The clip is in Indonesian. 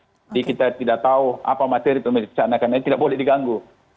jadi kita tidak tahu apa materi pemeriksaan akan ada tidak boleh diganggu